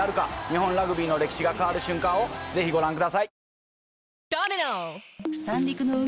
日本ラグビーの歴史が変わる瞬間をぜひご覧ください。